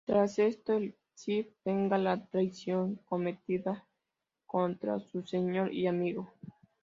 Tras esto, el Cid venga la traición cometida contra su señor y amigo.